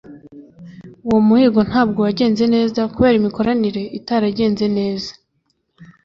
uwo muhigo ntabwo wagenze neza kubera imikoranire itaragenze neza